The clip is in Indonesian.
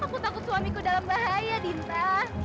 aku takut suamiku dalam bahaya dita